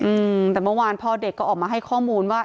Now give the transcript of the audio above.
อืมแต่เมื่อวานพ่อเด็กก็ออกมาให้ข้อมูลว่า